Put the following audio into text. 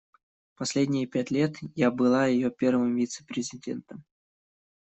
Последние пять лет я была её первым вице-президентом.